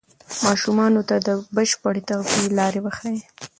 ماشومانو ته د بشپړې تغذیې لارې وښایئ.